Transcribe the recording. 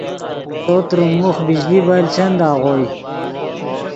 تو تریم موخ بژلی بل چند آغوئے